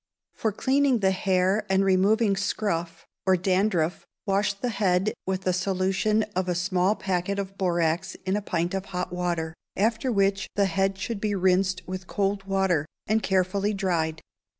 For cleaning the hair and removing scurf or dandruff wash the head with a solution of a small packet of borax in a pint of hot water, after which the head should be rinsed with cold water, and carefully dried.